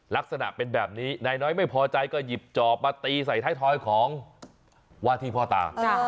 ลักษณะเป็นแบบนี้นายน้อยไม่พอใจก็หยิบจอบมาตีใส่ท้ายทอยของว่าที่พ่อตา